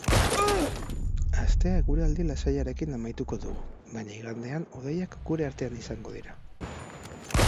Astea eguraldi lasaiarekin amaituko dugu, baina igandean hodeiak gure artean izango dira.